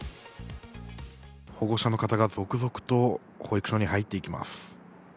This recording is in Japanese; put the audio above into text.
保護者の方が続々と保育所に入っていきます。